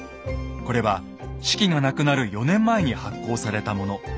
これは子規が亡くなる４年前に発行されたもの。